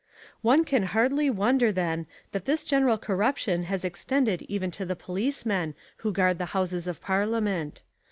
One can hardly wonder then that this general corruption has extended even to the policemen who guard the Houses of Parliament.